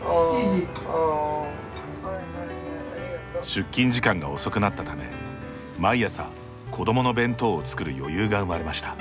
出勤時間が遅くなったため毎朝子供の弁当を作る余裕が生まれました。